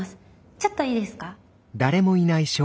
ちょっといいですか？